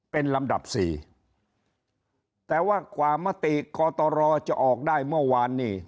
เป็นลำดับสี่แต่ว่ากว่ามติกตรจะออกได้เมื่อวานนี้